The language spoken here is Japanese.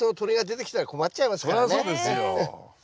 そりゃそうですよ。